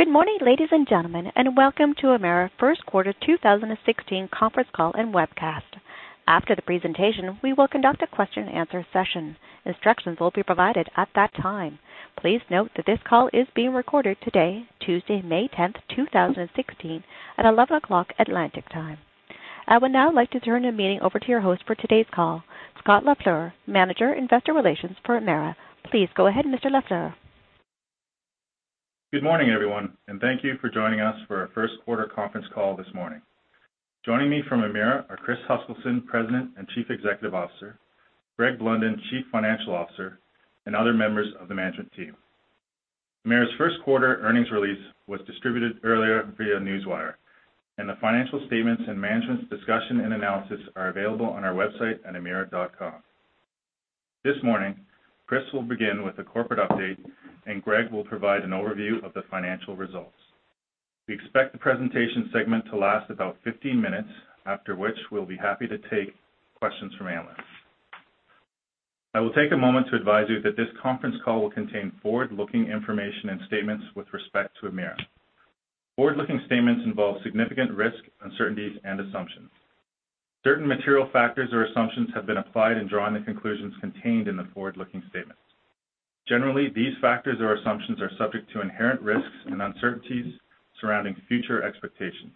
Good morning, ladies and gentlemen, welcome to Emera first quarter 2016 conference call and webcast. After the presentation, we will conduct a question and answer session. Instructions will be provided at that time. Please note that this call is being recorded today, Tuesday, May 10th, 2016, at 11:00 A.M. Atlantic time. I would now like to turn the meeting over to your host for today's call, Scott LaFleur, Manager, Investor Relations for Emera. Please go ahead, Mr. LaFleur. Good morning, everyone, thank you for joining us for our first quarter conference call this morning. Joining me from Emera are Chris Huskilson, President and Chief Executive Officer, Greg Blunden, Chief Financial Officer, and other members of the management team. Emera's first quarter earnings release was distributed earlier via Newswire, the financial statements and management's discussion and analysis are available on our website at emera.com. This morning, Chris will begin with a corporate update, Greg will provide an overview of the financial results. We expect the presentation segment to last about 15 minutes, after which we will be happy to take questions from analysts. I will take a moment to advise you that this conference call will contain forward-looking information and statements with respect to Emera. Forward-looking statements involve significant risks, uncertainties, and assumptions. Certain material factors or assumptions have been applied in drawing the conclusions contained in the forward-looking statements. Generally, these factors or assumptions are subject to inherent risks and uncertainties surrounding future expectations.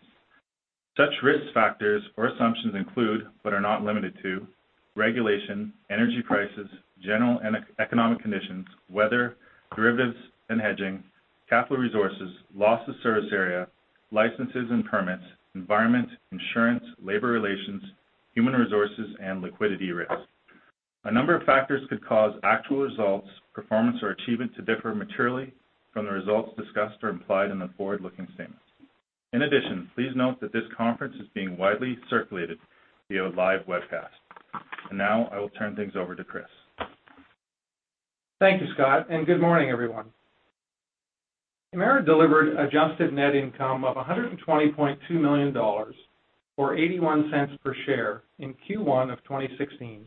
Such risk factors or assumptions include, but are not limited to, regulation, energy prices, general and economic conditions, weather, derivatives and hedging, capital resources, loss of service area, licenses and permits, environment, insurance, labor relations, human resources, and liquidity risk. A number of factors could cause actual results, performance, or achievement to differ materially from the results discussed or implied in the forward-looking statements. In addition, please note that this conference is being widely circulated via live webcast. Now I will turn things over to Chris. Thank you, Scott, Good morning, everyone. Emera delivered adjusted net income of 120.2 million dollars, or 0.81 per share in Q1 of 2016,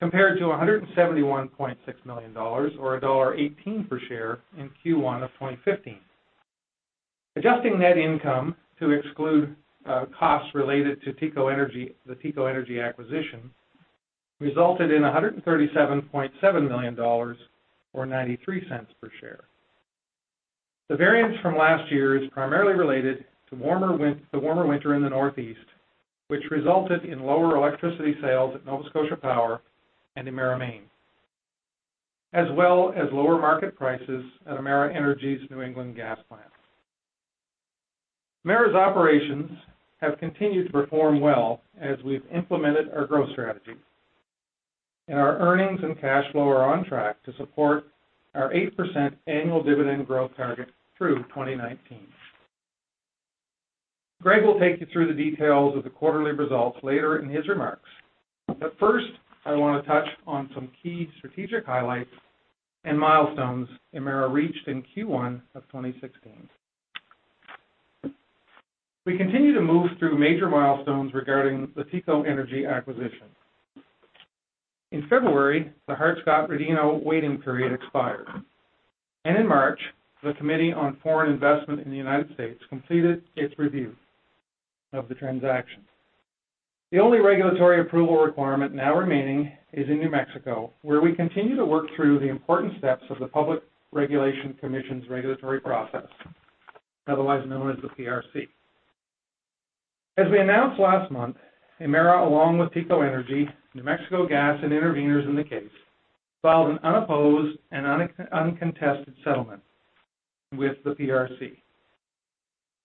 compared to 171.6 million dollars, or dollar 1.18 per share in Q1 of 2015. Adjusting net income to exclude costs related to the TECO Energy acquisition resulted in 137.7 million dollars or 0.93 per share. The variance from last year is primarily related to the warmer winter in the Northeast, which resulted in lower electricity sales at Nova Scotia Power and Emera Maine, as well as lower market prices at Emera Energy's New England gas plant. Emera's operations have continued to perform well as we have implemented our growth strategy, our earnings and cash flow are on track to support our 8% annual dividend growth target through 2019. Greg will take you through the details of the quarterly results later in his remarks. First, I want to touch on some key strategic highlights and milestones Emera reached in Q1 2016. We continue to move through major milestones regarding the TECO Energy acquisition. In February, the Hart-Scott-Rodino waiting period expired, and in March, the Committee on Foreign Investment in the United States completed its review of the transaction. The only regulatory approval requirement now remaining is in New Mexico, where we continue to work through the important steps of the New Mexico Public Regulation Commission's regulatory process, otherwise known as the PRC. As we announced last month, Emera, along with TECO Energy, New Mexico Gas, and interveners in the case, filed an unopposed and uncontested settlement with the PRC.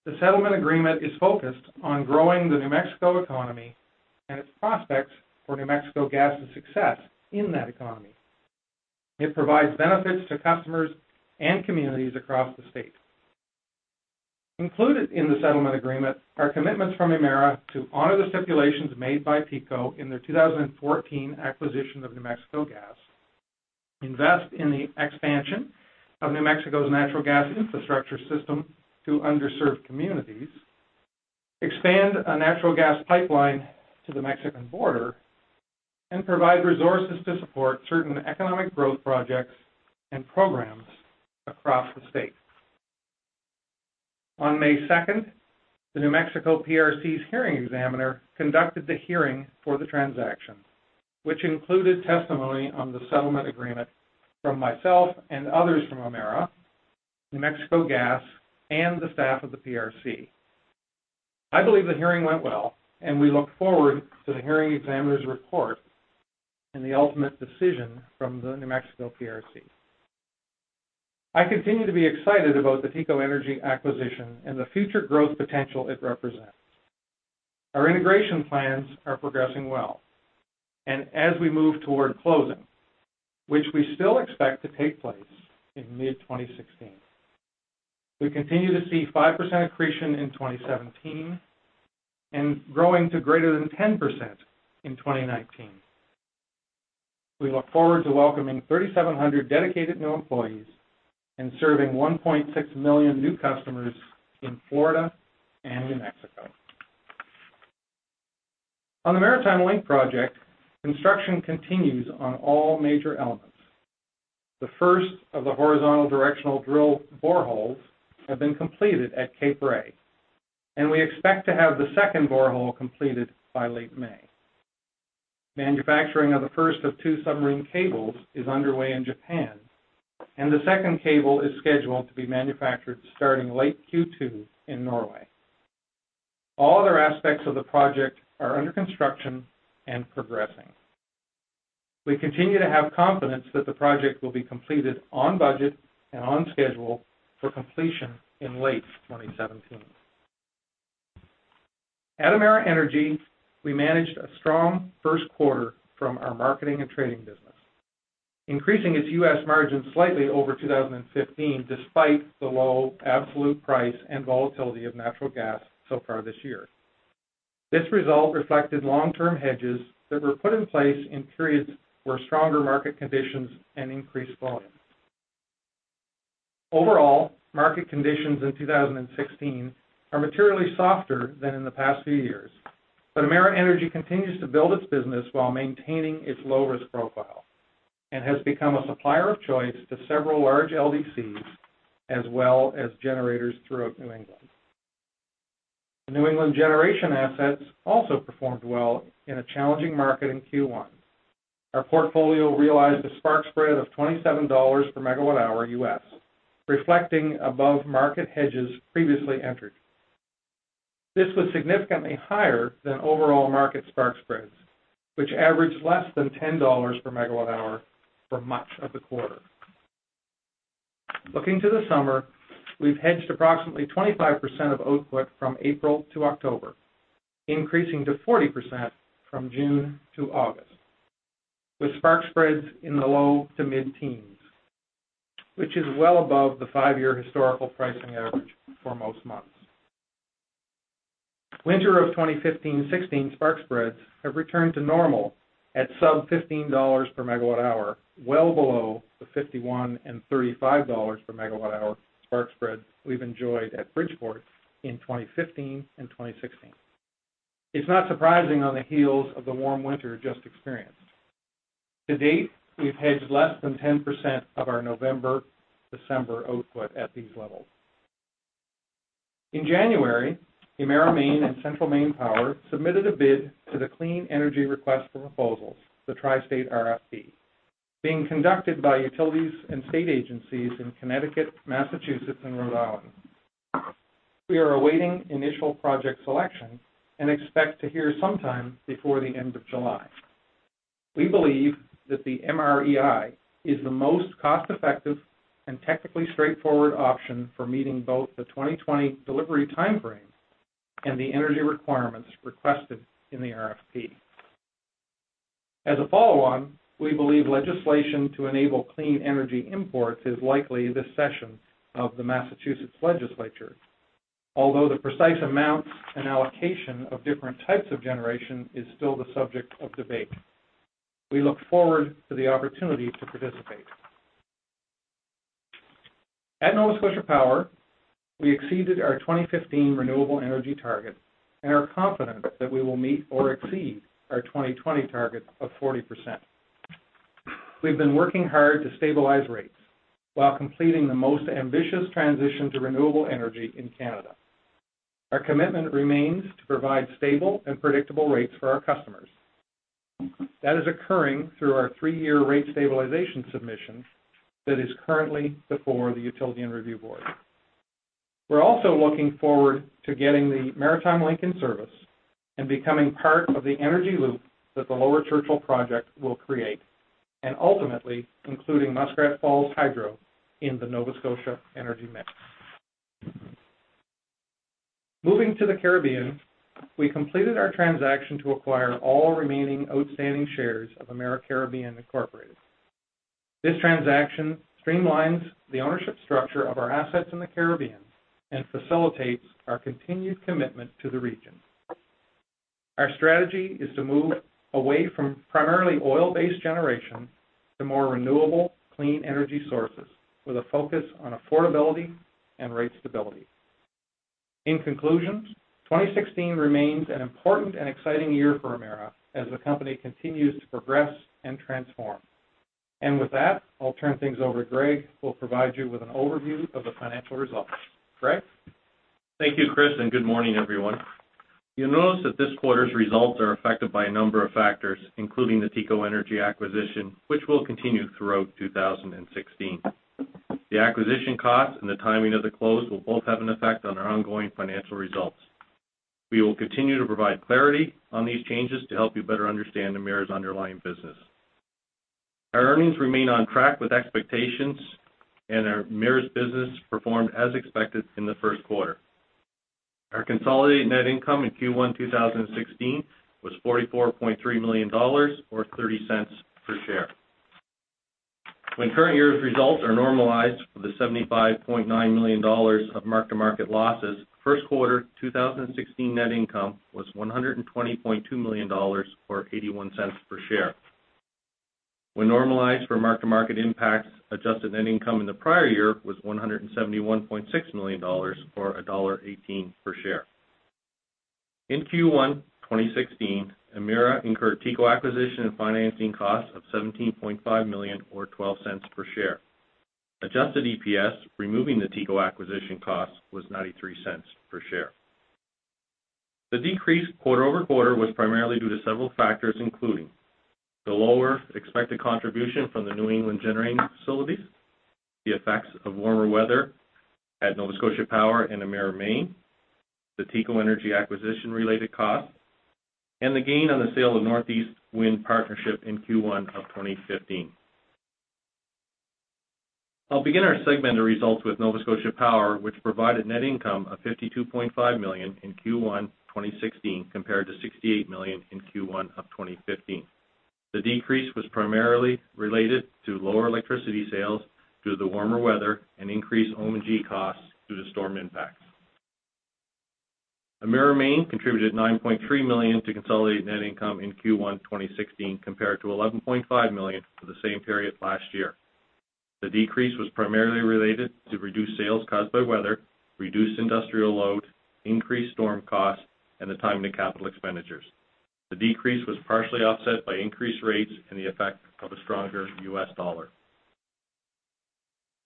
The settlement agreement is focused on growing the New Mexico economy and its prospects for New Mexico Gas' success in that economy. It provides benefits to customers and communities across the state. Included in the settlement agreement are commitments from Emera to honor the stipulations made by TECO in their 2014 acquisition of New Mexico Gas, invest in the expansion of New Mexico's natural gas infrastructure system to underserved communities, expand a natural gas pipeline to the Mexican border, and provide resources to support certain economic growth projects and programs across the state. On May 2nd, the New Mexico PRC's hearing examiner conducted the hearing for the transaction, which included testimony on the settlement agreement from myself and others from Emera, New Mexico Gas, and the staff of the PRC. I believe the hearing went well. We look forward to the hearing examiner's report and the ultimate decision from the New Mexico PRC. I continue to be excited about the TECO Energy acquisition and the future growth potential it represents. Our integration plans are progressing well, and as we move toward closing, which we still expect to take place in mid-2016, we continue to see 5% accretion in 2017 and growing to greater than 10% in 2019. We look forward to welcoming 3,700 dedicated new employees and serving 1.6 million new customers in Florida and New Mexico. On the Maritime Link project, construction continues on all major elements. The first of the horizontal directional drill boreholes have been completed at Cape Ray, and we expect to have the second borehole completed by late May. Manufacturing of the first of two submarine cables is underway in Japan. The second cable is scheduled to be manufactured starting late Q2 in Norway. All other aspects of the project are under construction and progressing. We continue to have confidence that the project will be completed on budget and on schedule for completion in late 2017. At Emera Energy, we managed a strong first quarter from our marketing and trading business, increasing its U.S. margin slightly over 2015, despite the low absolute price and volatility of natural gas so far this year. This result reflected long-term hedges that were put in place in periods where stronger market conditions and increased volumes. Overall, market conditions in 2016 are materially softer than in the past few years. Emera Energy continues to build its business while maintaining its low-risk profile and has become a supplier of choice to several large LDCs, as well as generators throughout New England. The New England generation assets also performed well in a challenging market in Q1. Our portfolio realized a spark spread of $27 per megawatt hour, reflecting above-market hedges previously entered. This was significantly higher than overall market spark spreads, which averaged less than $10 per megawatt hour for much of the quarter. Looking to the summer, we've hedged approximately 25% of output from April to October, increasing to 40% from June to August, with spark spreads in the low to mid-teens, which is well above the five-year historical pricing average for most months. Winter of 2015-16 spark spreads have returned to normal at sub $15 per megawatt hour, well below the $51 and $35 per megawatt hour spark spreads we've enjoyed at Bridgeport in 2015 and 2016. It's not surprising on the heels of the warm winter just experienced. To date, we've hedged less than 10% of our November, December output at these levels. In January, Emera Maine and Central Maine Power submitted a bid to the Clean Energy Request for Proposals, the Tri-State RFP, being conducted by utilities and state agencies in Connecticut, Massachusetts, and Rhode Island. We are awaiting initial project selection and expect to hear sometime before the end of July. We believe that the MREI is the most cost-effective and technically straightforward option for meeting both the 2020 delivery timeframe and the energy requirements requested in the RFP. We believe legislation to enable clean energy imports is likely this session of the Massachusetts legislature. Although the precise amounts and allocation of different types of generation is still the subject of debate. We look forward to the opportunity to participate. At Nova Scotia Power, we exceeded our 2015 renewable energy target and are confident that we will meet or exceed our 2020 target of 40%. We've been working hard to stabilize rates while completing the most ambitious transition to renewable energy in Canada. Our commitment remains to provide stable and predictable rates for our customers. That is occurring through our three-year rate stabilization submission that is currently before the Utility and Review Board. We're also looking forward to getting the Maritime Link in service and becoming part of the energy loop that the Lower Churchill Project will create, and ultimately including Muskrat Falls Hydro in the Nova Scotia energy mix. Moving to the Caribbean, we completed our transaction to acquire all remaining outstanding shares of Emera Caribbean Incorporated. This transaction streamlines the ownership structure of our assets in the Caribbean and facilitates our continued commitment to the region. Our strategy is to move away from primarily oil-based generation to more renewable, clean energy sources with a focus on affordability and rate stability. In conclusion, 2016 remains an important and exciting year for Emera as the company continues to progress and transform. With that, I'll turn things over to Greg, who will provide you with an overview of the financial results. Greg? Thank you, Chris, good morning, everyone. You'll notice that this quarter's results are affected by a number of factors, including the TECO Energy acquisition, which will continue throughout 2016. The acquisition cost and the timing of the close will both have an effect on our ongoing financial results. We will continue to provide clarity on these changes to help you better understand Emera's underlying business. Our earnings remain on track with expectations, and Emera's business performed as expected in the first quarter. Our consolidated net income in Q1 2016 was 44.3 million dollars or 0.30 per share. When current year's results are normalized for the 75.9 million dollars of mark-to-market losses, first quarter 2016 net income was 120.2 million dollars or 0.81 per share. When normalized for mark-to-market impacts, adjusted net income in the prior year was 171.6 million dollars, or dollar 1.18 per share. In Q1 2016, Emera incurred TECO acquisition and financing costs of 17.5 million or 0.12 per share. Adjusted EPS, removing the TECO acquisition cost, was 0.93 per share. The decrease quarter-over-quarter was primarily due to several factors, including the lower-than-expected contribution from the New England generating facilities, the effects of warmer weather at Nova Scotia Power and Emera Maine, the TECO Energy acquisition-related costs, and the gain on the sale of Northeast Wind partnership in Q1 of 2015. I'll begin our segment results with Nova Scotia Power, which provided net income of 52.5 million in Q1 2016, compared to 68 million in Q1 of 2015. The decrease was primarily related to lower electricity sales due to the warmer weather and increased O&M costs due to storm impacts. Emera Maine contributed 9.3 million to consolidated net income in Q1 2016, compared to 11.5 million for the same period last year. The decrease was primarily related to reduced sales caused by weather, reduced industrial load, increased storm costs, and the timing capital expenditures. The decrease was partially offset by increased rates and the effect of a stronger U.S. dollar.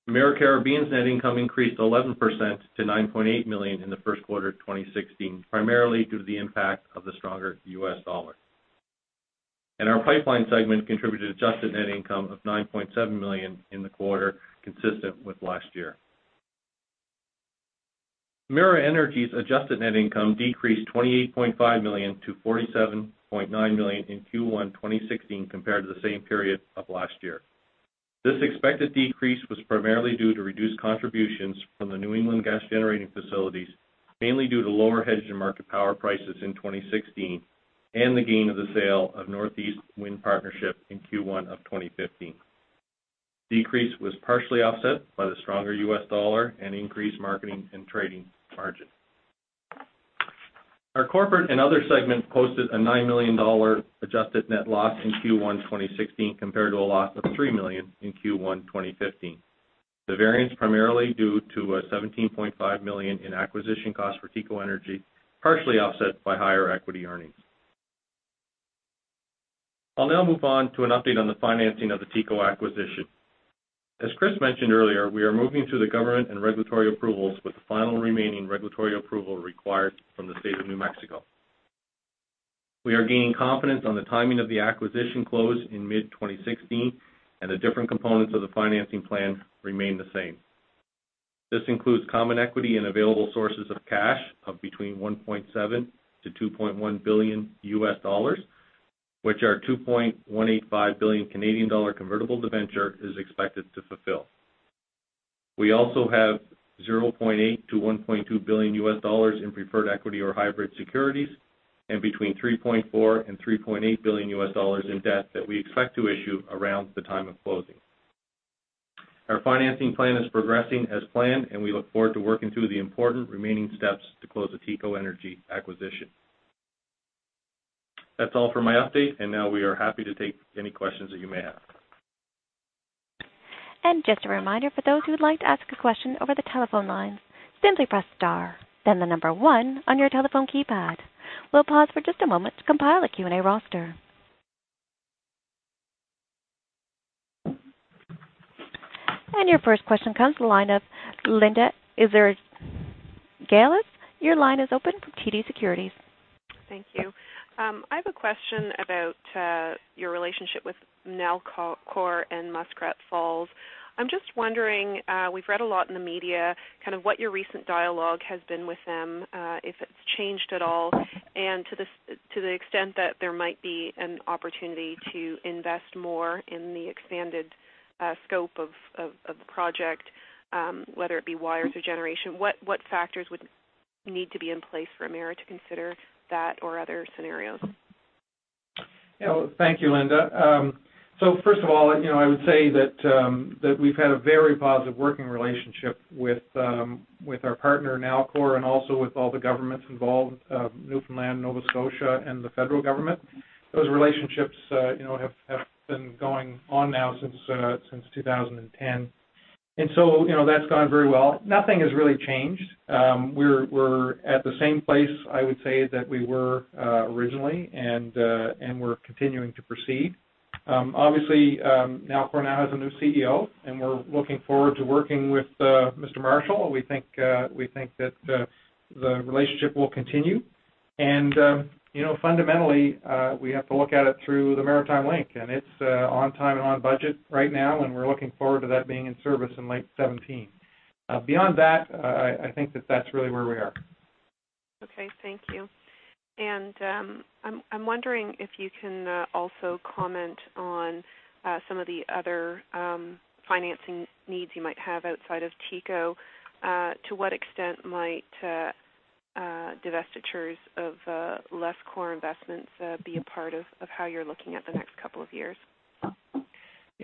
Emera Caribbean's net income increased 11% to 9.8 million in the first quarter of 2016, primarily due to the impact of the stronger U.S. dollar. Our pipeline segment contributed adjusted net income of 9.7 million in the quarter, consistent with last year. Emera Energy's adjusted net income decreased 28.5 million to 47.9 million in Q1 2016 compared to the same period of last year. This expected decrease was primarily due to reduced contributions from the New England gas-generating facilities, mainly due to lower hedged and market power prices in 2016 and the gain of the sale of Northeast Wind partnership in Q1 of 2015. Decrease was partially offset by the stronger U.S. dollar and increased marketing and trading margin. Our corporate and other segments posted a 9 million dollar adjusted net loss in Q1 2016, compared to a loss of 3 million in Q1 2015. The variance primarily due to a 17.5 million in acquisition cost for TECO Energy, partially offset by higher equity earnings. I'll now move on to an update on the financing of the TECO acquisition. As Chris mentioned earlier, we are moving through the government and regulatory approvals with the final remaining regulatory approval required from the state of New Mexico. We are gaining confidence on the timing of the acquisition close in mid-2016, the different components of the financing plan remain the same. This includes common equity and available sources of cash of between $1.7 billion-$2.1 billion US dollars, which our 2.185 billion Canadian dollar convertible debenture is expected to fulfill. We also have $0.8 billion-$1.2 billion US dollars in preferred equity or hybrid securities, and between $3.4 billion and $3.8 billion US dollars in debt that we expect to issue around the time of closing. Our financing plan is progressing as planned, and we look forward to working through the important remaining steps to close the TECO Energy acquisition. That's all for my update, now we are happy to take any questions that you may have. Just a reminder for those who would like to ask a question over the telephone lines, simply press star, then the number 1 on your telephone keypad. We'll pause for just a moment to compile a Q&A roster. Your first question comes to the line of Linda Ezergailis. Your line is open from TD Securities. Thank you. I have a question about your relationship with Nalcor and Muskrat Falls. I'm just wondering, we've read a lot in the media, what your recent dialogue has been with them, if it's changed at all, and to the extent that there might be an opportunity to invest more in the expanded scope of the project, whether it be wires or generation. What factors would need to be in place for Emera to consider that or other scenarios? Thank you, Linda. First of all, I would say that we've had a very positive working relationship with our partner, Nalcor, and also with all the governments involved, Newfoundland, Nova Scotia, and the federal government. Those relationships have been going on now since 2010. That's gone very well. Nothing has really changed. We're at the same place, I would say, that we were originally, and we're continuing to proceed. Obviously, Nalcor now has a new CEO, and we're looking forward to working with Mr. Marshall. We think that the relationship will continue. Fundamentally, we have to look at it through the Maritime Link, and it's on time and on budget right now, and we're looking forward to that being in service in late 2017. Beyond that, I think that that's really where we are. Okay, thank you. I'm wondering if you can also comment on some of the other financing needs you might have outside of TECO. To what extent might divestitures of less core investments be a part of how you're looking at the next couple of years?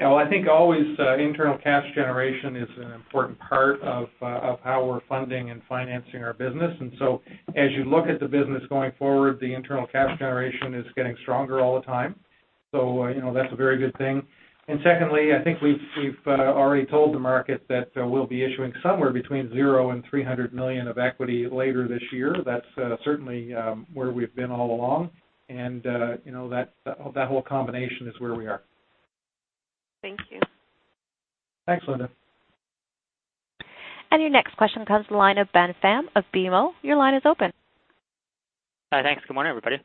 I think always internal cash generation is an important part of how we're funding and financing our business. As you look at the business going forward, the internal cash generation is getting stronger all the time. That's a very good thing. Secondly, I think we've already told the market that we'll be issuing somewhere between 0 and 300 million of equity later this year. That's certainly where we've been all along. That whole combination is where we are. Thank you. Thanks, Linda. Your next question comes to the line of Ben Pham of BMO. Your line is open. Hi. Thanks. Good morning, everybody.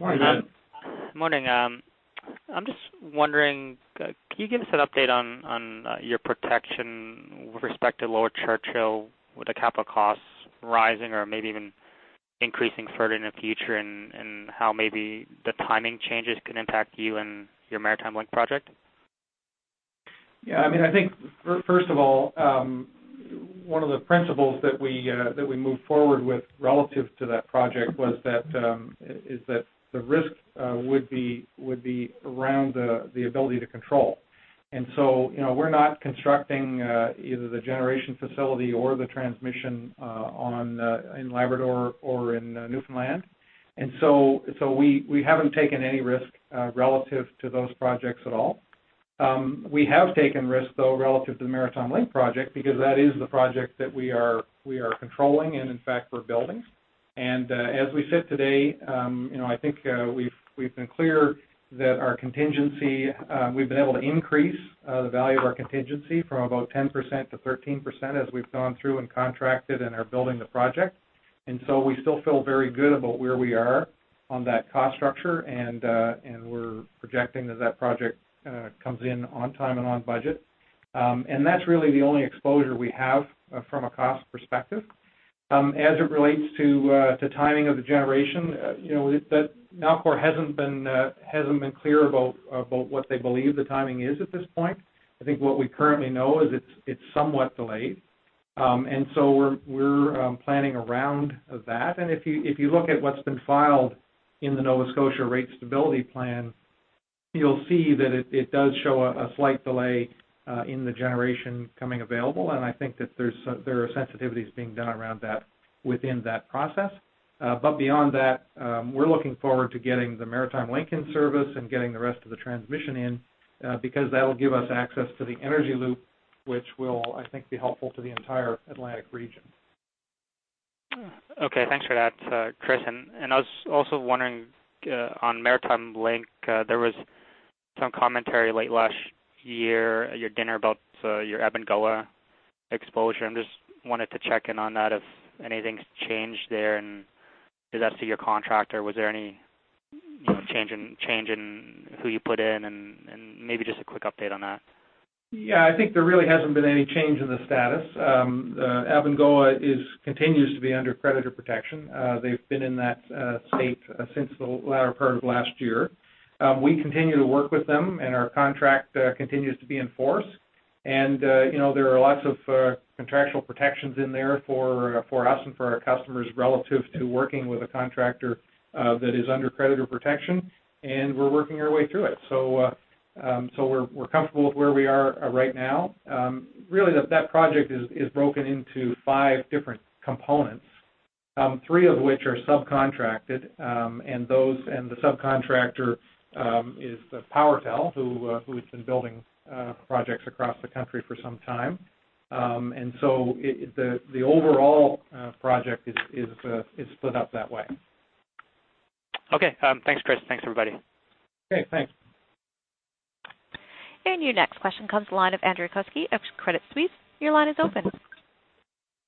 Morning. Morning. I'm just wondering, could you give us an update on your protection with respect to Lower Churchill, with the capital costs rising or maybe even increasing further in the future, and how maybe the timing changes could impact you and your Maritime Link project? I think, first of all, one of the principles that we moved forward with relative to that project is that the risk would be around the ability to control. We're not constructing either the generation facility or the transmission in Labrador or in Newfoundland. We haven't taken any risk relative to those projects at all. We have taken risks, though, relative to the Maritime Link project, because that is the project that we are controlling, and in fact, we're building. As we sit today, I think we've been clear that our contingency, we've been able to increase the value of our contingency from about 10% to 13% as we've gone through and contracted and are building the project. We still feel very good about where we are on that cost structure, and we're projecting that that project comes in on time and on budget. That's really the only exposure we have from a cost perspective. As it relates to timing of the generation, Nalcor hasn't been clear about what they believe the timing is at this point. I think what we currently know is it's somewhat delayed. We're planning around that. If you look at what's been filed in the Nova Scotia Rate Stability Plan, you'll see that it does show a slight delay in the generation coming available, and I think that there are sensitivities being done around that within that process. Beyond that, we're looking forward to getting the Maritime Link in service and getting the rest of the transmission in, because that'll give us access to the energy loop, which will, I think, be helpful to the entire Atlantic region. Okay. Thanks for that, Chris. I was also wondering, on Maritime Link, there was some commentary late last year at your dinner about your Abengoa exposure. I just wanted to check in on that if anything's changed there. As to your contractor, was there any change in who you put in? Maybe just a quick update on that. Yeah, I think there really hasn't been any change in the status. Abengoa continues to be under creditor protection. They've been in that state since the latter part of last year. We continue to work with them, and our contract continues to be in force. There are lots of contractual protections in there for us and for our customers relative to working with a contractor that is under creditor protection, and we're working our way through it. We're comfortable with where we are right now. Really, that project is broken into five different components, three of which are subcontracted. The subcontractor is PowerTel, who has been building projects across the country for some time. The overall project is split up that way. Okay. Thanks, Chris. Thanks, everybody. Okay, thanks. Your next question comes to the line of Andrew Kuske of Credit Suisse. Your line is open.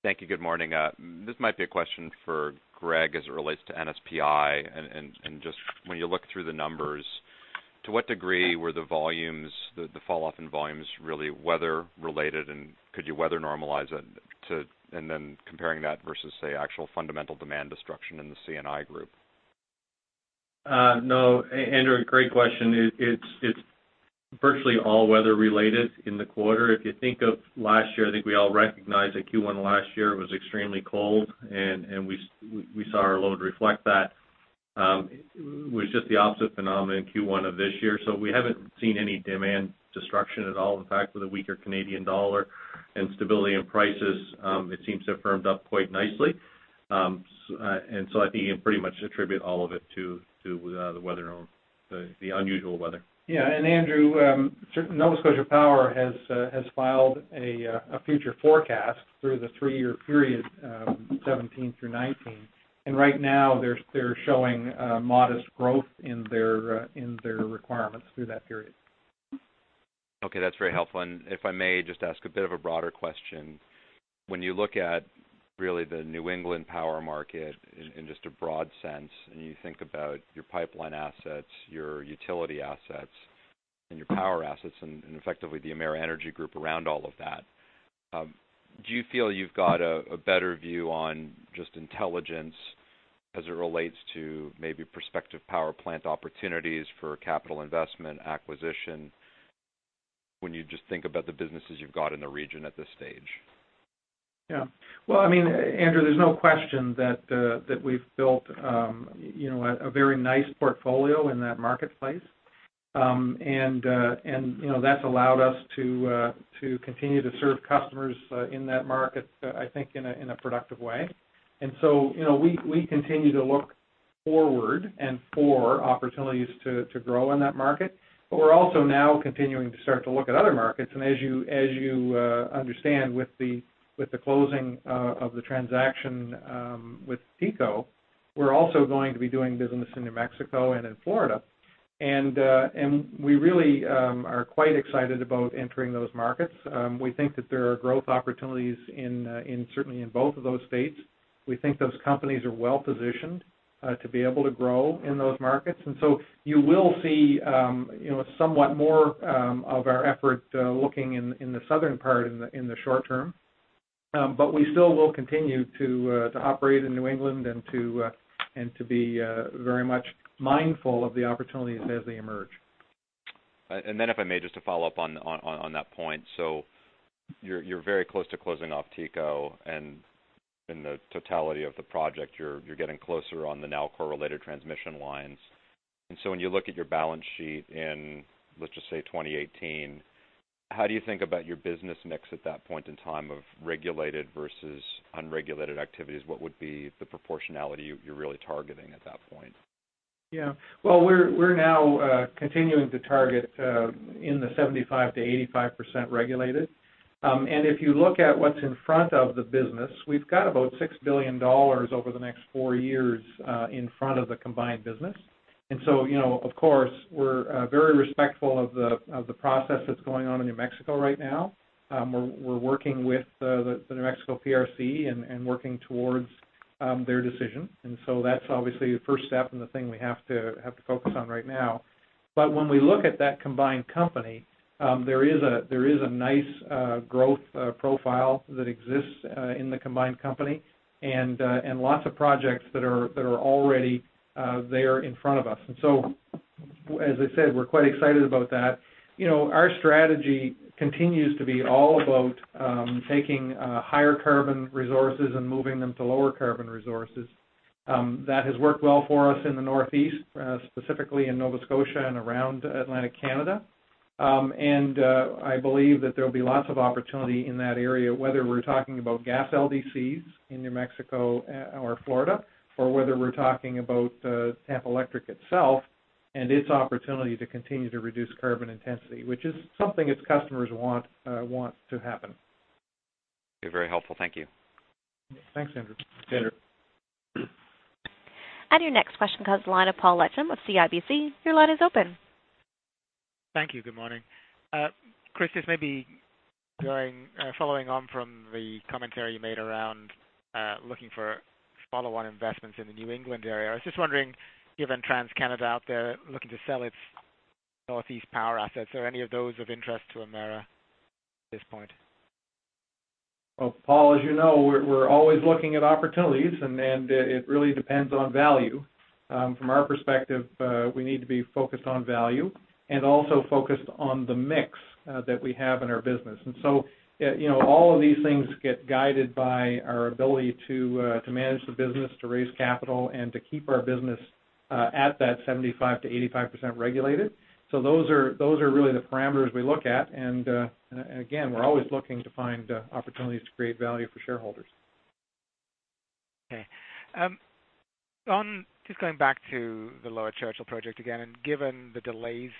Thank you. Good morning. This might be a question for Greg as it relates to NSPI. Just when you look through the numbers, to what degree were the fall-off in volumes really weather-related, and could you weather normalize it? Then comparing that versus, say, actual fundamental demand destruction in the C&I group. No, Andrew, great question. It's virtually all weather-related in the quarter. If you think of last year, I think we all recognize that Q1 last year was extremely cold, and we saw our load reflect that. It was just the opposite phenomenon in Q1 of this year. We haven't seen any demand destruction at all. In fact, with a weaker Canadian dollar and stability in prices, it seems to have firmed up quite nicely. I think you can pretty much attribute all of it to the unusual weather. Yeah. Andrew, Nova Scotia Power has filed a future forecast through the three-year period, 2017 through 2019. Right now they're showing a modest growth in their requirements through that period. Okay, that's very helpful. If I may just ask a bit of a broader question. When you look at really the New England power market in just a broad sense, and you think about your pipeline assets, your utility assets, and your power assets, and effectively the Emera Energy group around all of that, do you feel you've got a better view on just intelligence as it relates to maybe prospective power plant opportunities for capital investment acquisition when you just think about the businesses you've got in the region at this stage? Yeah. Well, Andrew, there's no question that we've built a very nice portfolio in that marketplace. That's allowed us to continue to serve customers in that market, I think, in a productive way. We continue to look forward and for opportunities to grow in that market. We're also now continuing to start to look at other markets. As you understand, with the closing of the transaction with TECO, we're also going to be doing business in New Mexico and in Florida. We really are quite excited about entering those markets. We think that there are growth opportunities certainly in both of those states. We think those companies are well-positioned to be able to grow in those markets. You will see somewhat more of our effort looking in the southern part in the short term. We still will continue to operate in New England and to be very much mindful of the opportunities as they emerge. If I may, just to follow up on that point. You're very close to closing off TECO and in the totality of the project, you're getting closer on the Nalcor-related transmission lines. When you look at your balance sheet in, let's just say 2018, how do you think about your business mix at that point in time of regulated versus unregulated activities? What would be the proportionality you're really targeting at that point? Well, we're now continuing to target in the 75%-85% regulated. If you look at what's in front of the business, we've got about 6 billion dollars over the next four years in front of the combined business. Of course, we're very respectful of the process that's going on in New Mexico right now. We're working with the New Mexico PRC and working towards their decision. That's obviously the first step and the thing we have to focus on right now. When we look at that combined company, there is a nice growth profile that exists in the combined company and lots of projects that are already there in front of us. As I said, we're quite excited about that. Our strategy continues to be all about taking higher carbon resources and moving them to lower carbon resources. That has worked well for us in the Northeast, specifically in Nova Scotia and around Atlantic Canada. I believe that there'll be lots of opportunity in that area, whether we're talking about gas LDCs in New Mexico or Florida, or whether we're talking about Tampa Electric itself and its opportunity to continue to reduce carbon intensity, which is something its customers want to happen. You're very helpful. Thank you. Thanks, Andrew. Sure. Your next question comes the line of Paul Lechem with CIBC. Your line is open. Thank you. Good morning. Chris, this may be following on from the commentary you made around looking for follow-on investments in the New England area. I was just wondering, given TransCanada out there looking to sell its Northeast power assets, are any of those of interest to Emera at this point? Well, Paul, as you know, we're always looking at opportunities, and it really depends on value. From our perspective, we need to be focused on value and also focused on the mix that we have in our business. All of these things get guided by our ability to manage the business, to raise capital, and to keep our business at that 75%-85% regulated. Those are really the parameters we look at. Again, we're always looking to find opportunities to create value for shareholders. Okay. Just going back to the Lower Churchill Project again, and given the delays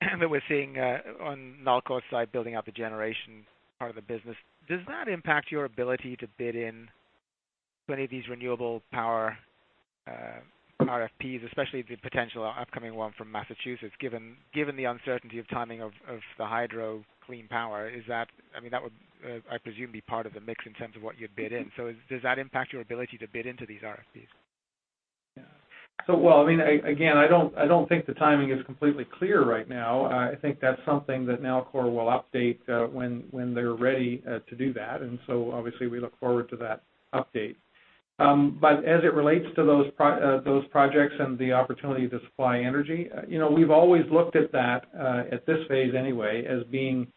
that we're seeing on Nalcor's side, building out the generation part of the business, does that impact your ability to bid in to any of these renewable power RFPs, especially the potential upcoming one from Massachusetts? Given the uncertainty of timing of the hydro clean power, that would, I presume, be part of the mix in terms of what you'd bid in. Does that impact your ability to bid into these RFPs? Again, I don't think the timing is completely clear right now. I think that's something that Nalcor will update when they're ready to do that. Obviously we look forward to that update. But as it relates to those projects and the opportunity to supply energy, we've always looked at that, at this phase anyway, as being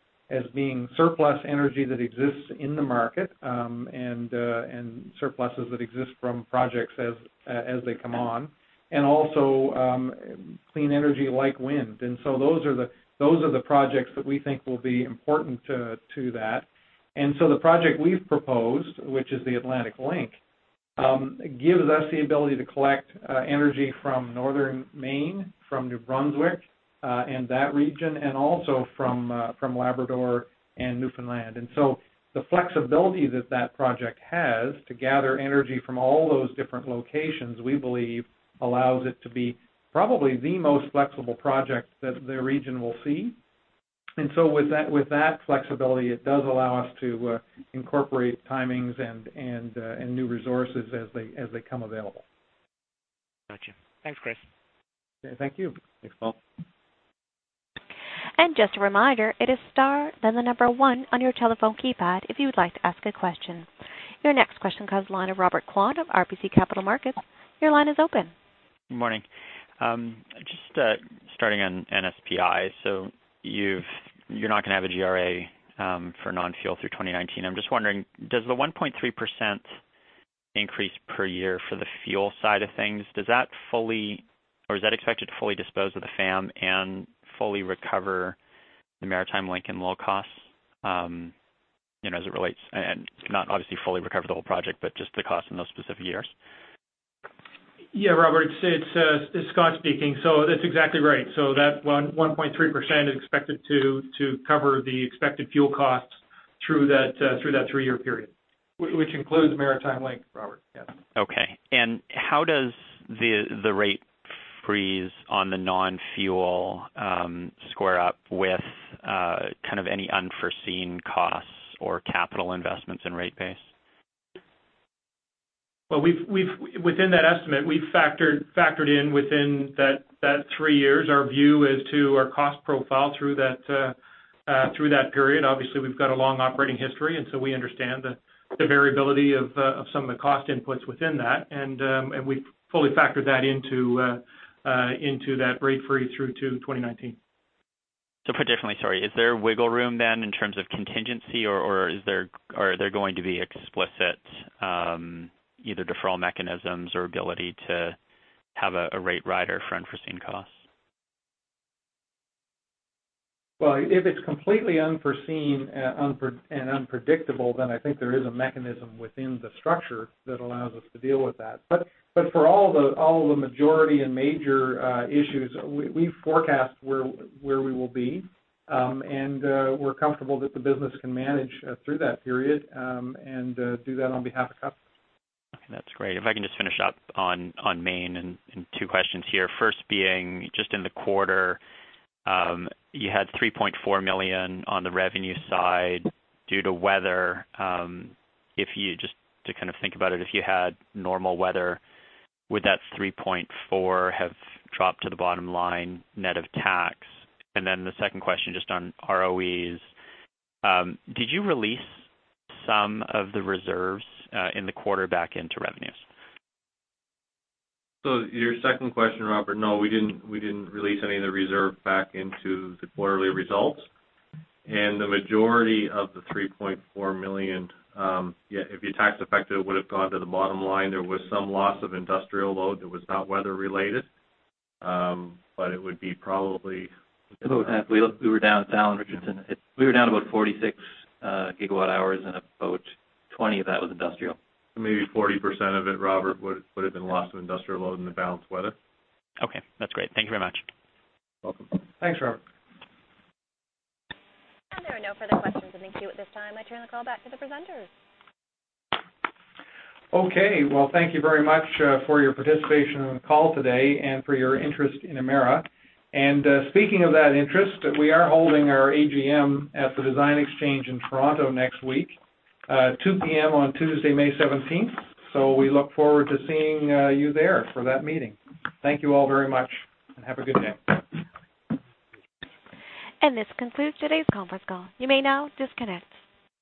surplus energy that exists in the market, and surpluses that exist from projects as they come on, and also clean energy like wind. Those are the projects that we think will be important to that. The project we've proposed, which is the Atlantic Link, gives us the ability to collect energy from Northern Maine, from New Brunswick, and that region, and also from Labrador and Newfoundland. The flexibility that that project has to gather energy from all those different locations, we believe allows it to be probably the most flexible project that the region will see. With that flexibility, it does allow us to incorporate timings and new resources as they come available. Got you. Thanks, Chris. Thank you. Thanks, Paul. Just a reminder, it is star, then number 1 on your telephone keypad if you would like to ask a question. Your next question comes the line of Robert Kwan of RBC Capital Markets. Your line is open. Good morning. Just starting on NSPI. You're not going to have a GRA for non-fuel through 2019. I'm just wondering, does the 1.3% increase per year for the fuel side of things, is that expected to fully dispose of the FAM and fully recover the Maritime Link annual costs, as it relates and not obviously fully recover the whole project, but just the cost in those specific years? Yeah, Robert, it's Scott speaking. That's exactly right. That 1.3% is expected to cover the expected fuel costs through that three-year period. Which includes Maritime Link, Robert. Yes. Okay. How does the rate freeze on the non-fuel square up with any unforeseen costs or capital investments in rate base? Within that estimate, we've factored in within that 3 years, our view as to our cost profile through that period. Obviously, we've got a long operating history, and we understand the variability of some of the cost inputs within that. We've fully factored that into that rate freeze through to 2019. Put differently, sorry, is there wiggle room then in terms of contingency or are there going to be explicit either deferral mechanisms or ability to have a rate rider for unforeseen costs? If it's completely unforeseen and unpredictable, then I think there is a mechanism within the structure that allows us to deal with that. For all the majority and major issues, we forecast where we will be. We're comfortable that the business can manage through that period, and do that on behalf of customers. Okay, that's great. If I can just finish up on Maine and 2 questions here. First being just in the quarter, you had 3.4 million on the revenue side due to weather. Just to think about it, if you had normal weather, would that 3.4 have dropped to the bottom line net of tax? The second question just on ROEs. Did you release some of the reserves in the quarter back into revenues? Your second question, Robert, no, we didn't release any of the reserve back into the quarterly results. The majority of the 3.4 million, if you tax-affected, it would've gone to the bottom line. There was some loss of industrial load that was not weather-related. It would be probably. About half. We were down in Richardson. We were down about 46 gigawatt hours, and about 20 of that was industrial. Maybe 40% of it, Robert, would've been lost to industrial load and the balance, weather. Okay. That's great. Thank you very much. You're welcome. Thanks, Robert. There are no further questions in the queue at this time. I turn the call back to the presenters. Okay. Well, thank you very much for your participation on the call today and for your interest in Emera. Speaking of that interest, we are holding our AGM at the Design Exchange in Toronto next week, 2:00 P.M. on Tuesday, May 17th. We look forward to seeing you there for that meeting. Thank you all very much and have a good day. This concludes today's conference call. You may now disconnect.